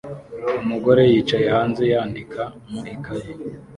Umugore yicaye hanze yandika mu ikaye